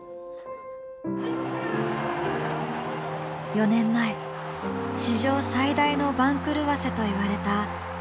４年前史上最大の番狂わせといわれた南アフリカ戦。